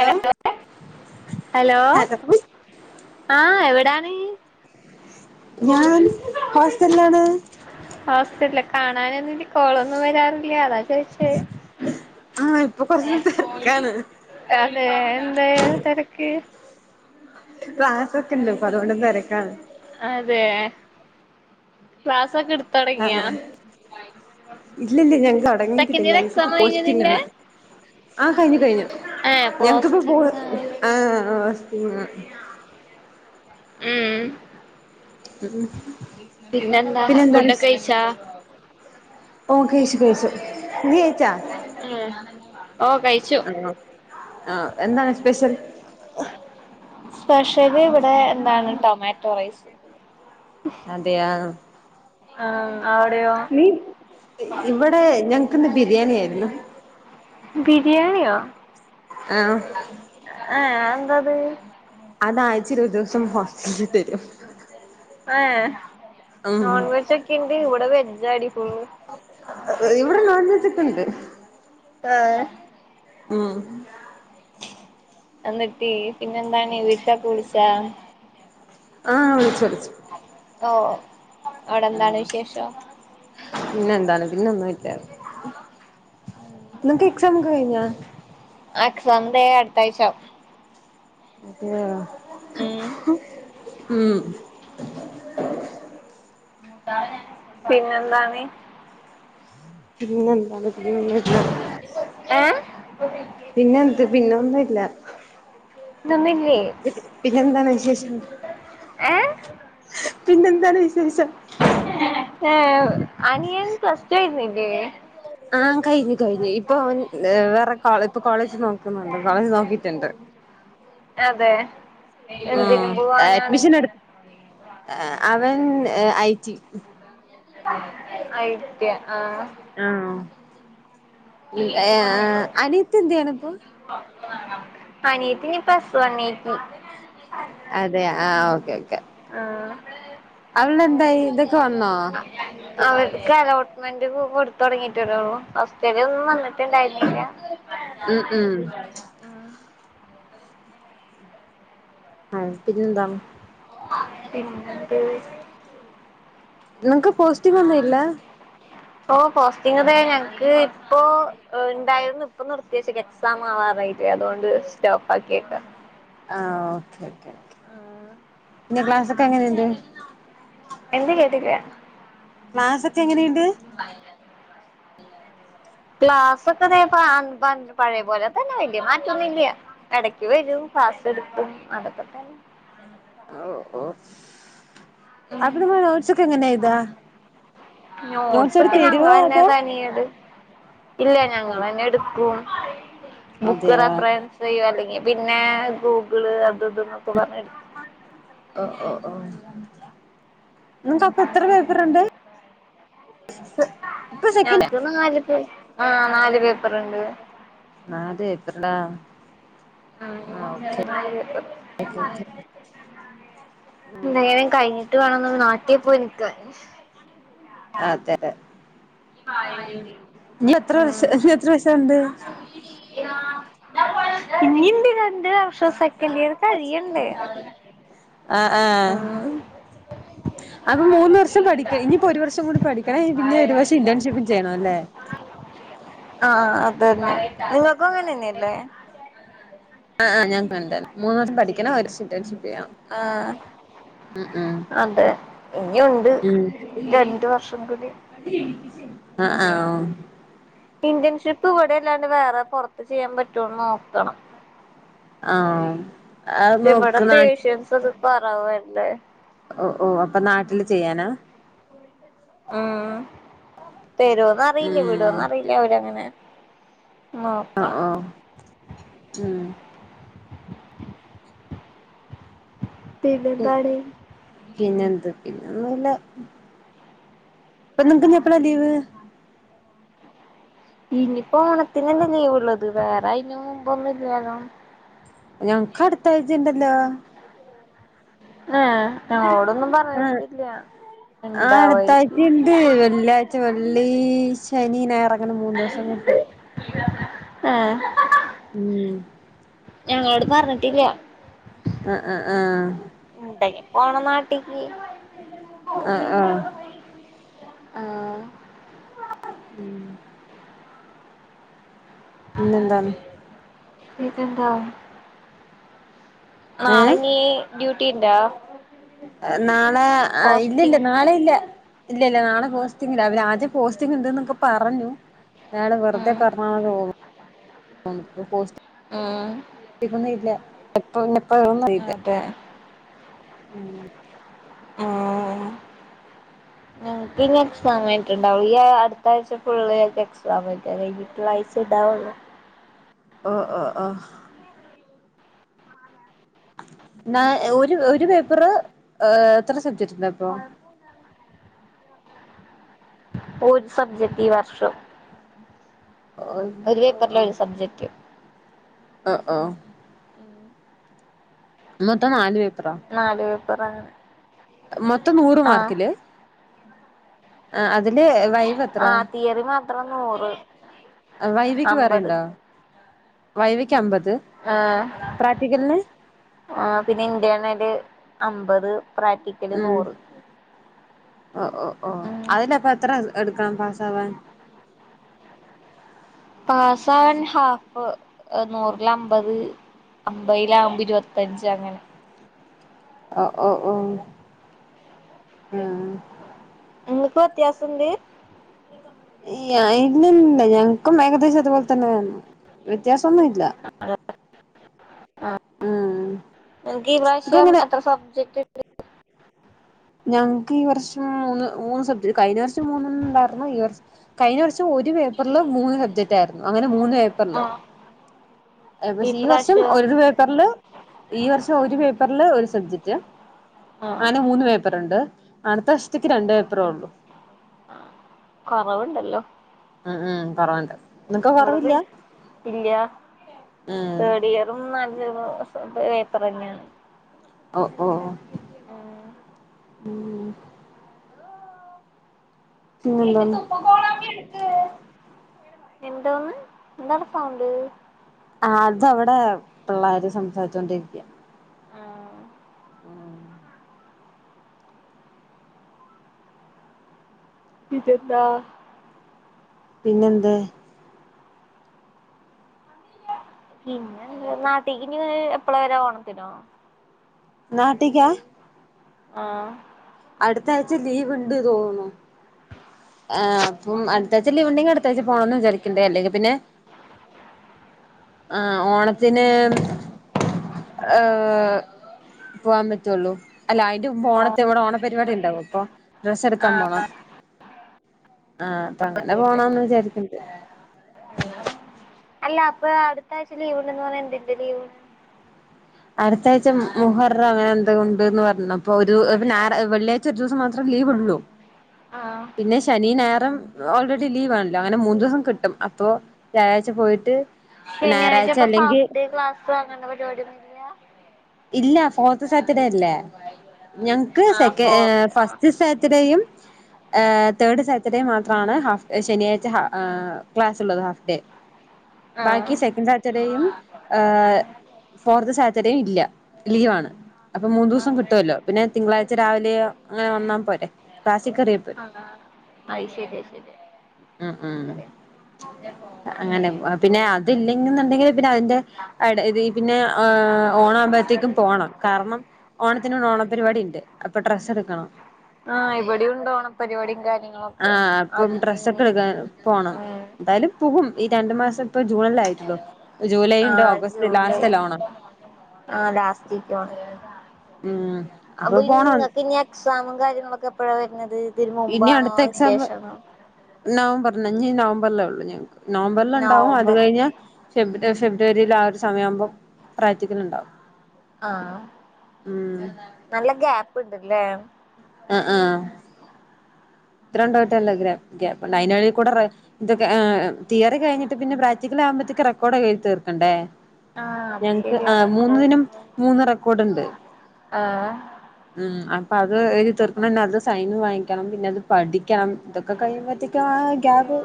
Hello hello ആഹ എവിടാണ് ഞാൻ ഹോസ്റ്റലിലാണ് ഹോസ്റ്റലിലോ കാണാനില്ല കോളൊന്നും വരാറില്ലേ അതാ ചോയിച്ചേ ആഹ അതെ എന്താ തിരക്ക് ക്ലാസ്സൊക്കെണ്ട് ഇപ്പം അതോണ്ട് തിരക്കാണ് അതെ ക്ലാസൊക്കെ എടുത്ത് തുടങ്ങിയാ ഇല്ലല്ല ഞങ്ങക്ക് തുടങ്ങിയിട്ടില്ല സെക്കൻഡ് ഇയർ എക്സാം ഞങ്ങക്കിപ്പോ കഴിഞ്ഞോ പോസ്റ്റിംഗ് നിന്റെ ആണ് ആ കഴിഞ്ഞു കഴിഞ്ഞു ഏഹ് ഞങ്ങക്കിപ്പ പോ പോസ്റ്റിംഗാ ആ [unintelligible] ഉം ഉം പിന്നെന്താ ഫുഡൊക്കെ കഴിച്ചാ ഓ കഴിച്ചു കഴിച്ചു നീ കഴിച്ചാ [unintelligible] ഓ കഴിച്ചു ആ എന്താണ് സ്പെഷ്യൽ സ്പെഷ്യൽ ഇവിടെ എന്താണ് ടൊമാറ്റോ റൈസ് അതെയോ ആഹ് അവിടെയോ നീ ഇവിടെ ഞങ്ങക്ക് ഇന്ന് ബിരിയാണി ആയിരുന്നു ബിരിയാണിയോ ആഹ് ആഹ എന്താ അത് അതാഴ്ച്ച ഒരു ദിവസം ഹോസ്റ്റലിൽ തരും ആഏ ഉം നോൺവെജൊക്കെ ഇണ്ട് ഇവിടെ വെജ അടിക്കു ഇവിടെ നോൺ വെജൊക്കെ ഉണ്ട് ആഹ ഉം എന്നിട്ടീ പിന്നെന്തണ വീട്ടാെ വിളിച്ച ആഹ് വിളിച്ചളിച്ച ഓ അവിടെ എന്താണ് വിശേഷം പിന്നെ എന്താണ് പിന്ന ഒന്നും ഇല്ലക്ക് എക്സാം ഒക്കെ കഴിഞ്ഞ എക്സമന്റെ അടുത്താഴ്ച അത ഉം ഉം പിന്നെ എന്താണ് പിന്നെ എന്താണ് പിന്നൊന്നുമില്ല ഏഹ് പിന്നെന്ത് പിന്നൊന്ന്.. ഇല്ല [unintelligible] പി പിന്നെന്താണ് വിശേഷം പിന്നെന്താണ് വിശേഷം ആ അനിയൻ.. [unintelligible] ആ കൈഞ്ഞ് കഴിഞ്ഞ് ഇപ്പൊ അവൻ വേറെ കോളേ ഇപ്പൊ കോളേജ് നോക്കുന്നുണ്ട് കോളേജ് നോക്കിട്ടുണ്ട്. അതെ. ആ എന്തിന് പോവാനാണ് അഡ്മിഷൻ എടുത്ത.. അവൻ ഐടി.. ആയിട്ട്യാ ആ ആ അനിയത്തി എന്തയ്യണിപ്പം? അനീത്തി പ്ലസ് ഒണിൽ. അതെ ആ ഓക്കെ ഓക്കെ. ആഹ അവൾടെ എന്തായി ഇതൊക്കെ വന്നോ റെന്റൊക്കെ കൊടുത്തൊടങ്ങിട്ടല്ലെയുള്ളു ഹൗസ്... ചിലവൊന്നും വന്നിട്ടുണ്ടായിരുന്നില്ല ഉം ഉം മം [unintelligible] പിന്നെന്ത് നിങ്ങക്ക് പോസിറ്റീവ് ഒന്നും ഇല്ല ഓ പോസ്റ്റിങ്ങതെ ഞങ്ങക്ക് ഇപ്പോൊ.. ഓ ണ്ടായിരുന്നു ഇപ്പൊ നിർത്തി വെച്ചേക്കുകയാ എക്സാം ആവാറായിട്ടേ അതുകൊണ്ട് സ്റ്റോപ്പ് ആക്കിയേക്കാ. ആ ഓക്കേ ഓക്കേ ഓക്കേ പിന്ന ക്ലാസ് ഒക്കെ എങ്ങനെണ്ട്? എന്ത് കേട്ടക്ക മാസൊക്കെ എങ്ങനെയുണ്ട്? [inaudible] ക്‌ളാസൊക്കെ ദേ പാൺ പൺ പഴയപോലെതന്നെ. മാറ്റോന്നില്ല്യാ ഇടക്ക് വരും പാസ് എടുത്തും അതൊക്കെ തന്നെ [inaudible] ഉം അവിടുന്ന് നോട്ട്സൊക്കെ എങ്ങനെയ എയ്താ? നോട്സൊക്കെ തരുവോ ഞങ്ങെളന്നെ അതോ തനിയത്.. ഇല്ല ഞങ്ങൾന്നെ എടുക്കും, ബുക്ക് അതെയോ റെഫറൻസ് ചെയും അല്ലെങ്കിൽ.. പിന്നെ ഗൂഗിള് അത് ഇതന്നൊക്കെ പറഞെടു.. ഓ ഓ ഓ നിങ്ങക്ക് അപ്പ എത്ര പേപ്പർണ്ട്? സെക്കൻഡാ ഞങ്ങക്ക് നാല് പേ ആ നാല് പേപ്പറുണ്ട്. ണ്ടാ [inaudible] [inaudible] നേരം കഴിഞ്ഞിട്ട് വേണം നാട്ടിൽ പോയി നിക്കാൻ. അതെ ഇനി എത്ര വർഷം ഇനി എത്ര വർഷമുണ്ട് മം ഇനീണ്ടു രണ്ട് വർഷം സെക്കൻഡ ഇയർ.. കഴിയണ്ടേ ആ ആ ഉം [inaudible] അപ്പൊ മൂന്ന് വർഷം പഠിക്ക ഇനിയിപ്പോ ഒരു വർഷം കൂടി പഠിക്കണം പിന്നെ ഒരു വർഷം ഇന്റേൺഷിപ്പും ചെയ്യണം അല്ലേ? ആ അതന്നെ നിങ്ങൾക്കും അങ്ങനെതന്നെയല്ലേ? ആ ആ ഞാൻ [unintelligible] മൂന്നു വർഷം പഠിക്കണം ഒരുവർഷ.. [unintelligible] ആഹ ഉം അതെ ഇനുണ്ട് രണ്ടു വർഷം കൂടി ആഹ ആഹ ഇന്റേൺഷിപ്പ് ഇവിടെല്ലാണ്ട് വേറെ പുൊറത്ത് ചെയ്യാൻ പറ്റൂന്ന് നോക്കണം ആ അത് മ്മട നോക്ക് നാട്ടി പേേഷൻസ് അത് പ വ എന്ത ഓ ഓ അപ്പൊ നാട്ടില് ചെയ്യാനാ ഉം തരുമോന്ന അറിയില്ലേ ഉം വിടന്ന അറിയില്ലേ അവര് അങ്ങനെ ആ ആ ഉ പിന്നെന്താണ് പിന്നെ എന്ത് പിന്നെ ഒന്നുംല്ല ഇപ്പൊ നിക്ക്ന്ന് എപ്പളാ ലീവ് ഇനിപ്പോ ഓണത്തിന എന്താ ലീവ്ള്ളത് വേറെ അന് മുമൻ്പൊന്നുംല്ലാലോ ഞങ്ങക്ക് അടുത്തഴ്ചുണ്ടല്ലോ ഏ ഞങ്ങളോടൊന്നും ആ പറഞ്ഞട്ടല്ല ആ അടുത്താഴ്ചുണ്ട് വെള്ളിയാഴ്ച വെള്ളി ശനി നേറങ്ങണ മൂന്ന് ദിവസം [unintelligible] ഉഏ ഉം ഞങ്ങളോട് പറഞ്ഞിട്ടില്ല ആഹ ആഹ ആഹ ഓണനാട്ടിക്ക് ആഹ ആഹ ആ ഉം പിന്നെന്താന്ന് തൻന്താണ് നാളെ ഏഹ് നീ ഡ്യൂട്ടിണ്ടോ നാളെ ആ് ഇല്ല ഇല്ല നാളെ ഇല്ല ഇല്ല ഇല്ല നാളെ പോസ്റ്റിങ്ങില്ല അവര് ആദ്യെ പോസ്റ്റിങ് ഉണ്ട് എന്നൊക്കെ പറഞ്ഞു ടെ വെറുതെ ഉം പറണ ആ ഇന്നല്ല എപ്പപ്പന്നും ഇല്ല അതെ ഉം ആ ക്ക് ഇ സമയ ണ്ടാവ അടുത്തഴ് ഫുള്ളി എക്സാം പ വീട്ടുള്ള ആഴ്ച ഇണ്ടാവുള്ളൂ ആ ആ അ എത്ര ാ ഒരു ഒരു പേപ്പറ് എത്ര സബ്ജക്ട് ഉണ്ട് ഇപ്പൊ [unintelligible] ഒരു സബ്ജക്ട് ഈ വർഷം ഓഹ് ഒരു പേപ്പറില് ഒരു സബ്ജക്റ്റ് ആ ആ മൊത്തം ആല് വെ നാല് പേപ്പറ മൊത്തം നൂറ് മാർക്കില് ആ അതില് വൈവ്ത്ര ആഹ് തിയറി മാത്രം നൂറ് വൈദ്യക്ക് അമ്പത് പററണ്ടോ വൈകക്ക് അമ്പത് പ്രാക്ടിക്കലിന് ആ പിന്നെ ഇന്ത്യാണല് അമ്പത് പ്രാക്ടിക്കല് ഉം നൂറ് ഓ ഓ ഓ ഉം അതിലപ്പൊ എത്ര എടുക്കാൻ പാസാവാൻ പാസ്ൻ ഹാഫ് നൂറില് അമ്പത് അമ്പയിലാകുമ്പ ഇരുപത്തഞ്ച് അങ്ങനെ ഓഹ് ഓഹ് ഓഹ് ഉം ഇങ്ങക്ക് വ്യത്യാസം ഇണ്ട് ഇയ്യ ഇല്ല ഇല്ല ഞങ്ങക്കും ഏകദേശം അതുപോലെ തന്നെ വന്നു വ്യത്യാസൊന്നും ഇല്ലാ ആഹ് എങ്ക് ഈ പ്രാവശ്യം ഇൻക്കങ്ങനെ എത്ര സബ്ജക്ട് [unintelligible] ഞങ്ങക്ക് ഈ വർഷം മൂന്ന് മൂന്ന് സബ്ജക്റ്റ് കഴിഞ്ഞ വർഷ് ഷം. മൂന്നെണ്ണം ഇണ്ടാർന്നു ഈ വർഷ് കഴിഞ്ഞ വർഷം ഒരു പേപ്പറില് മൂന്ന് സബ്ജക്റ്റാരുന്നു അങ്ങനെ മൂന്ന് പേപ്പറില് ആഹ് ഏഹ് പക്ഷെ ഈ വർഷം ഒരു പേപ്പറില് ഈ വർഷം ഒരു പേപ്പറില് ഒരു സബ്ജക്ട് ആഹ് ആനെ മൂന്ന് പേപ്പറുണ്ട് അടുത്ത വർഷത്തേക്ക് രണ്ട് പേപ്പറേ ഒള്ളു ആഹ് കൊറവുണ്ടല്ലോ ആഹ് ആഹ് കൊറവിണ്ട് ഇവടെ പിന്നെ ഇല്ല്യാ ഉം തേർഡ് ഇയറും നാലഞ്ചു മാസം പേപ്പറന്നെയാണ് ഓഹ് ഓഹ് ഉം ഉം പിന്നെന്താണ് [unintelligible] എന്തോന്ന് എന്താണ് സൗണ്ട് ആ അതവിടെ പിള്ളാര് സംസാരിച്ചോണ്ടിരിക്ക്യാ ആഹ് പിന്നെന്താ പിന്നെന്ത് പിന്നെ നാട്ടേകിനി ഏഹ് എപ്പളാ വരാ ഓണത്തിനോ നാട്ടിക്കാ ആഹ് അടുത്ത ആഴ്ച ലീവ്ണ്ട് തോന്നു ആഹ് അപ്പം അടുത്താഴ്ച്ച ലീവിണ്ടെങ്കിൽ അടുത്താഴ്ച പോണംന്ന് വിചാരിക്കണ്ട് അല്ലെങ്കിൽ പിന്നെ ആഹ് ഓണത്തിന് ഏഹ് പോകാൻ പറ്റുള്ളൂ അല്ല അതിന്റെ മുമ്പ് ആ ഓണത്ത് ഇവിടെ ഓണപരിപാടി ഇണ്ടാവും അപ്പൊ ഡ്രസ്സ് എടുക്കാൻ പോണം ആഹ് അപ്പൊ അങ്ങനെ പോണന്ന് വിചാരിക്കുന്നു [unintelligible] അല്ല അപ്പൊ അടുത്താഴ്ച ലീവ് ഇണ്ടന്ന് പറഞ്ഞ എന്തിന്റെ ലീവ് അടുത്താഴ്ച മുഹറ അങ്ങനെ എന്തോ ഉണ്ട്ന്ന് പറഞ്ഞു അപ്പൊ ഒരു ഞാറാ വെള്ളിയാഴ്ച ഒരു ദൂസം മാത്രം ലീവ്ള്ളു ആഹ് പിന്നെ ശനി ഞേറും ഓൾറെഡി ലീവാണല്ലോ അങ്ങനെ മൂന്ന് ദൂസം കിട്ടും അപ്പോ വ്യായാഴ്ച പോയിട്ട് പിന്നേ ഇജ്ജ് ഞായറാഴ്ച ഇപ്പ അല്ലെങ്കിൽ ഹാഫ് ഡേ ക്ലാസ്സ് അങ്ങനെ പരിപാടി ഒന്നൂല്ലാ ഇല്ല ഫോർത്ത് സാറ്റർഡേ ല്ലേ ഞങ്‌ക്ക് ആഹ് സെക്ക ഏഹ് ഫോർത്ത് ആഹ് ഫസ്റ്റ് സാറ്റഡേയും ഏഹ് തേർഡ് സാറ്റർഡേയും മാത്രമാണ് ഹാഫ് ശനിയാഴ്ച ഹാ ക്ലാസിള്ളത് ഹാഫ് ഡേ ബാക്കി ആഹ് സെക്കൻഡ് സാറ്റർഡേയുംഏഹ് ഫോർത്ത് സാറ്റർഡേയും ഇല്ല ലീവാണ് അപ്പൊ മൂന്ന് ദൂസം കിട്ടുവല്ലോ പിന്നെ തിങ്കളാഴ്ച രാവിലെയോ അങ്ങനെ വന്നാ പോരെ ക്ലാസ്സി കേറിയാ പോരെ അയ് ശരി ഉം ഉം അങ്ങനെ പോണ് പിന്നെ അതില്ലെ ങ്കിന്നുണ്ടെങ്കില് പിന്നെ അതിന്റെ ആടെ ദി പിന്നെ ആഹ് ഒണാവുമ്പോ ത്തേക്കും പോണം കാരണം ഓണത്തിന് ഇവിടെ ഓണപരിപാടി ഇണ്ട് അപ്പൊ ഡ്രസ്സെടുക്കണം ആഹ് അതേ ഇവിടെയും ഉണ്ട് ഓണപ്പരിപാടിയും കാര്യങ്ങളൊക്കെ ആഹ് അപ്പം അതിന് ഡ്രസ്സൊക്കെ ഇനി എടുക്കാൻ പോണം ഉം എന്തായാലും പോകും ഈ രണ്ടു മാസം ഇപ്പൊ ജൂണല്ലേ ആയിട്ടുള്ളൂ ജൂലൈ ഇണ്ട് ആഹ് ഓഗസ്റ്റ് ജൂലൈ ലാസ്റ്റ് അല്ലേ ഓണം ആഹ് ഉം അപ്പൊ പോണം നിങ്ങക്ക് ഇ എക്സാമും കാര്യങ്ങളൊക്കെ ക്ക എപ്പഴ വരുന്നത് ഇതിന് മുമ്പാണോ ശേഷണോ നവംബറി അഞ് നവംബറിലേ ഉള്ളു ഞങ്ങക്ക് നവംബറൽ ഉണ്ടാവും അത് നവംബർ കഴിഞ്ഞൽ ഫെബ്രു ഫെബ്രുവരിയിൽ ആ ഒരു സമയമാവുമ്പം പ്രാക്റ്റിക്കലുണ്ടാവും ആഹ നല്ല ഗാപ്പ് ഇണ്ടല്ലേ ആഹ ആ ഇത്ര ഉണ്ടോട്ടല്ല് നയനള കൂടെ ഇതക്കെ തിയറി കഴിഞ്ഞിട്ട് പിന്നെ പ്രാക്ടല ആകുമ്പത്തേ റെക്കോഡൊക്കെ എഴുതിതീർക്കണ്ടേ ആഹ് അത് ഞങ്ങക്ക് ശരിയാ ആ മൂന്ന ദിനും മൂന്ന് റെക്കോർഡ്ണ്ട് ആഹ അപ്പ അത് ഒരു തീർക്കണം അത് സൈൻ വാങ്ങിക്കണം പിന്നെ അത് പഠിക്കണം ഇതൊക്കെ കഴിയുമ്പറ്റി ഗാപ്പ്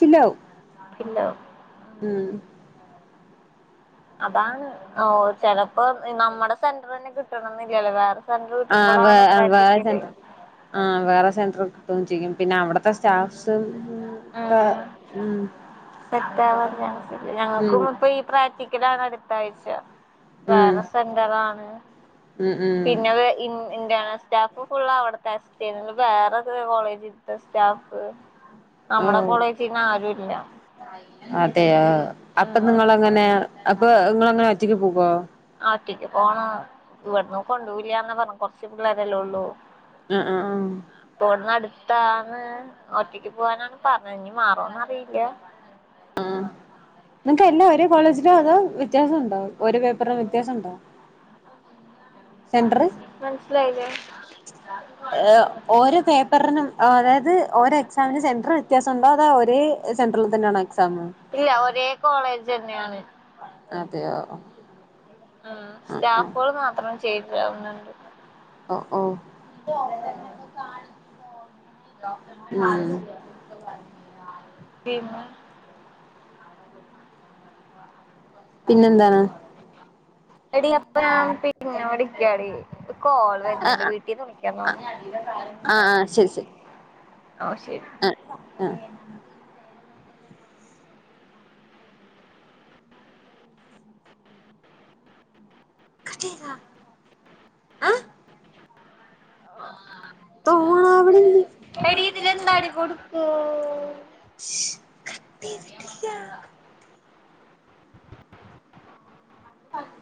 ഫില്ലാകും പില്ലോ അതാണ് ഓ ചെലപ്പോ നമ്മുടെ സെന്റർ തന്നെ കിട്ടണംന്നില്ലല്ലേ വേറെ സെന്റർ ആഹ വേ കിട്ടുമ്പോളാണ് വേറെ പ്രാക്ടിക്കല് സെൻറർ ആഹ് വേറെ സെൻറർ കിട്ട ന്നെ അവിത്തെ സ്റ്റാഫ് സെറ്റവാ ഉം ഞങ്ങൾക്കും ഇപ്പൊ ഈ പ്രാക്ടിക്കലാണ് അടുത്ത ആഴ്ച ഉം വേറെ സെന്ററാണ് ഉം ഉം പിന്നെത് എന്താണ് സ്റ്റാഫ് ഫുള്ള അവിടത്തെ ല്ല വേറെക്ക കോളേജ്ത്ത സ്റ്റാഫ് നമ്മുടെ ഓഹ് കോളേജിന്ന ആരു ഇല്ല അതെയ അപ്പൊ നിങ്ങള അങ്ങനെ അപ്പൊ നിങ്ങ അങ്ങനെ ഒറ്റക്ക് പോക്കോ കുട്ടിക്ക് പോണ ഇവിടന്ന് കൊണ്ടുപല്ലന്ന പറഞ്ഞഞ് കൊറച്ച പിള്ളേരെല്ലേ ഉള്ളൂ ആഹ ആഹ ആഹ ഇത്താന്ന് ഒറ്റക്ക് പോവാനാണ് പറഞ്ഞ ഇഞ്ഞഞ് മാറോന്ന്റിയില്ല നിനക്ക് എല്ല ഒരേ കോളേജിലും അതോ വ്യത്യാസംണ്ടാവും രേ പേപ്പറിലും വ്യത്യാസം ഉണ്ടാവും മനസിലായില്ലേ ഓരോ പേപ്പറിനും അതായത് ഓര എക്സമിന് സെൻററിൽ്യത്യാസംണ്ട അത ഒരേ സെൻററിൽ തന്നെയാണ് സമ ഇല്ല ഒരേ കോളേജ് തന്നെയാണ് അതെയോ ഉം ആഹ് ആഹ് സ്റ്റാഫുകൾ മാത്രം ചെയ്താവുന്നുണ്ട് ഓ ഓഓ ഉം ആഹ പിന്നെ പിന്നെ എന്താണ് എടി അപ്പൊ ഞാൻ പിന്നെവിളിക്കാടി കോള് ആ വരുന്നുണ്ട് ആ വീട്ടീന്ന് വിളിക്കാ തോന്നുന്നു ആ ആ ശരി ശരി ആഹ ശരി ആ ആ കട്ടിയത ആഹ [unintelligible] [unintelligible] എടീ ഇതിന്ന്ന്താടി കൊടുത്തേ. പില്ല [unintelligible] പറ [unintelligible]